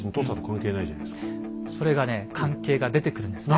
それがね関係が出てくるんですね。